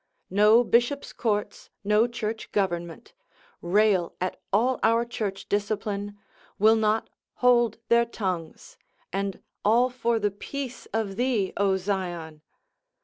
no bishops' courts, no church government, rail at all our church discipline, will not hold their tongues, and all for the peace of thee, O Sion!